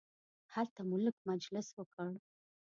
هلته مو لږ مجلس وکړ.